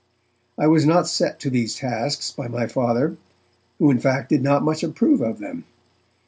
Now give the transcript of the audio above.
I was not set to these tasks by my Father, who, in fact, did not much approve of them.